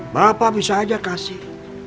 bapak bisa aja kasih